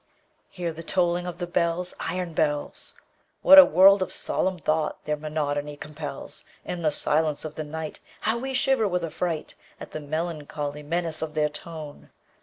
Hear the tolling of the bells, Iron bells! What a world of solemn thought their monody compels! In the silence of the nightHow we shiver with affrightAt the melancholy menace of their tone!